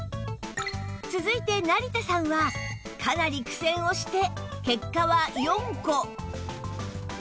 続いて成田さんはかなり苦戦をして結果は４個